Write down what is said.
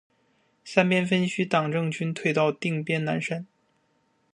三边分区党政军退到定边南山。